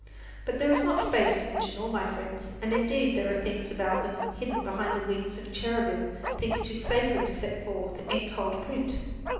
But there is not space to mention all my friends, and indeed there are things about them hidden behind the wings of cherubim, things too sacred to set forth in cold print.